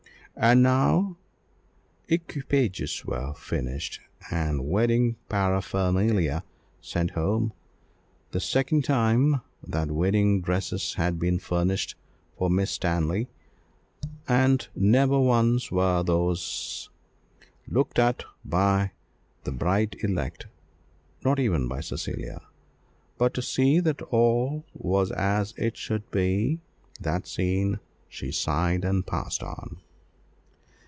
And now equipages were finished, and wedding paraphernalia sent home the second time that wedding dresses had been furnished for Miss Stanley; and never once were these looked at by the bride elect, nor even by Cecilia, but to see that all was as it should be that seen, she sighed, and passed on.